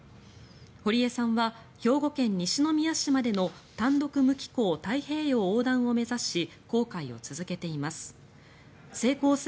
堀江さんは兵庫県西宮市までの単独無寄港太平洋横断を目指し航海を続けています。